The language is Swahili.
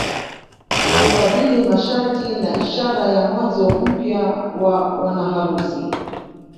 Kukabili masharti na ishara ya mwanzo mpya wa wanaharusi